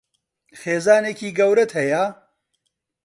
خێزانێکی گەورەت هەیە؟